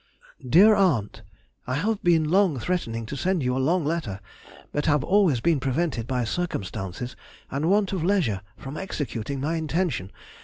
DEAR AUNT,— I have been long threatening to send you a long letter, but have always been prevented by circumstances and want of leisure from executing my intention.